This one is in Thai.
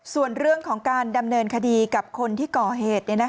ส่วนเรื่องของการดำเนินคดีกับคนที่ก่อเหตุ